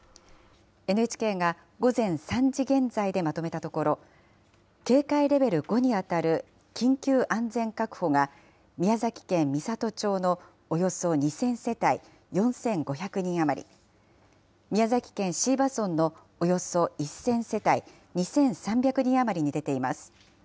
ＮＨＫが午前３時現在でまとめたところ警戒レベル５に当たる緊急安全確保が宮崎県美郷町のおよそ２０００世帯４５００人余り宮崎県椎葉村のおよそ１０００世帯２３００人余りに出ています。